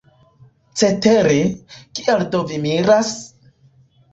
Cetere, kial do vi miras?